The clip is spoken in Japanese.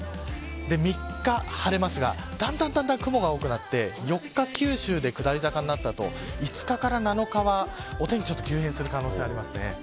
３日は晴れますがだんだん雲が多くなって４日、九州で下り坂になった後５日から７日はお天気が急変する可能性があります。